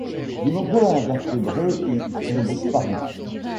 De nombreux invertébrés y ont disparu.